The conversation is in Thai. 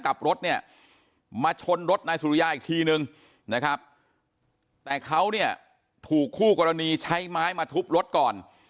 กับรถเนี่ยมาชนรถนายสุริยาอีกทีนึงนะครับแต่เขาเนี่ยถูกคู่กรณีใช้ไม้มาทุบรถก่อน